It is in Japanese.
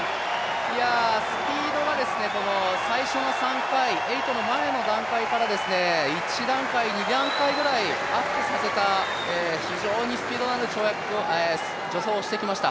スピードは最初の３回目、８の前の段階から１段階、２段階ぐらいアップさせた非常にスピードのある助走をしてきました。